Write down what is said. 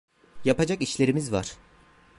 Yapacak işlerimiz var.